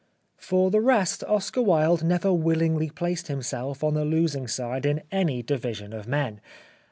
For the rest Oscar Wilde never willingly placed himself on the losing side in any division of men.